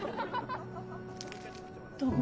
どうも。